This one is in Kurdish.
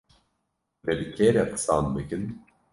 hûnê bi kê re qisan bikin.